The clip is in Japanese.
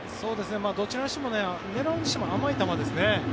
どちらにしても狙うにしても甘い球ですね。